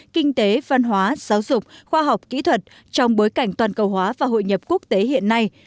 kinh tế văn hóa giáo dục khoa học kỹ thuật trong bối cảnh toàn cầu hóa và hội nhập quốc tế hiện nay